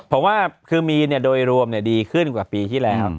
ผมว่าคือมีนโดยรวมดีขึ้นกว่าปีที่แล้ว